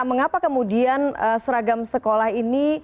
mengapa kemudian seragam sekolah ini